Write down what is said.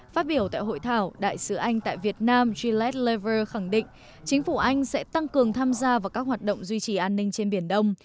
phát biểu tại hội thảo đại sứ anh tại việt nam gillette lever khẳng định chính phủ anh sẽ tăng cường tham gia vào các hoạt động duy trì an ninh trên biển đông